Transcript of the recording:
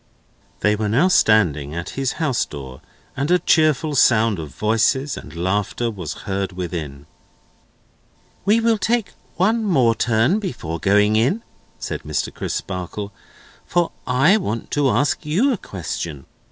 They were now standing at his house door, and a cheerful sound of voices and laughter was heard within. "We will take one more turn before going in," said Mr. Crisparkle, "for I want to ask you a question.